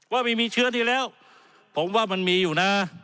ว่าไม่มีเชื้อที่แล้วผมว่ามันมีอยู่นะ